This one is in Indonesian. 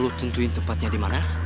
lu tentuin tempatnya di mana